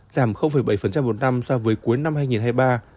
giảm bảy một năm so với cuối năm hai nghìn hai mươi ba